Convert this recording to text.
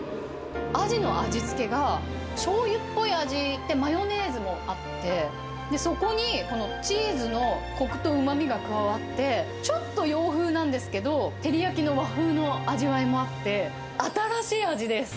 アジの味付けが、しょうゆっぽい味で、マヨネーズもあって、で、そこにこのチーズのこくとうまみが加わって、ちょっと洋風なんですけど、照り焼きの和風の味わいもあって、新しい味です。